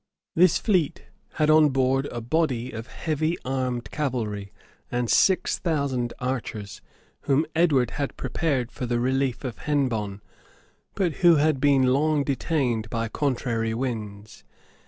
[*] This fleet had on board a body of heavy armed cavalry, and six thousand archers, whom Edward had prepared for the relief of Hennebonne, but who had been long detained by contrary winds.